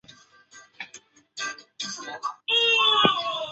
是著名的旅游景点。